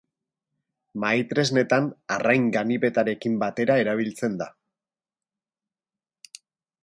Mahai-tresnetan arrain-ganibetarekin batera erabiltzen da.